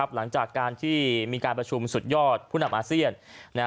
หลังจากการที่มีการประชุมสุดยอดผู้นำอาเซียน